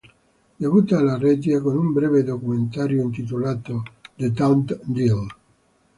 Debutta alla regia con un breve documentario intitolato "The Damn Deal".